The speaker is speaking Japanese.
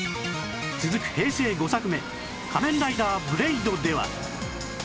続く平成５作目『仮面ライダー剣』では